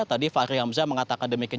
tadi fahri hamzah mengatakan demikian